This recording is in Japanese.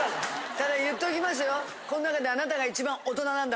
ただ言っときますよ。